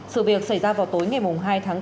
sự việc xảy ra vào tối ngày hai tháng bốn